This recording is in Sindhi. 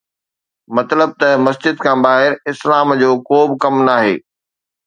مطلب ته مسجد کان ٻاهر اسلام جو ڪوبه ڪم ناهي